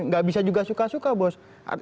nggak bisa juga suka suka bos